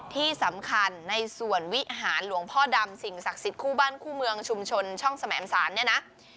ที่สำคัญในส่วนวิหารหลวงพ่อดำสิ่งศักดิ์สิทธิ์คู่บ้านคู่เมืองชุมชนช่องสมสารเนี่ยนะ